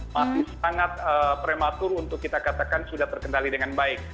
masih sangat prematur untuk kita katakan sudah terkendali dengan baik